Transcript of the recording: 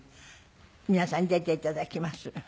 皆さんに出て頂きます。